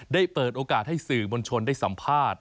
ได้เปิดโอกาสให้สื่อมวลชนได้สัมภาษณ์